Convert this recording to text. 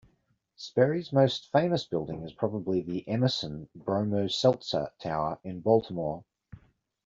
Sperry's most famous building is probably the Emerson "Bromo-Seltzer" Tower in Baltimore.